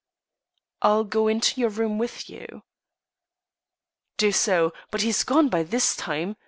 "I'll go into your room with you." "Do so. But he's gone by this time.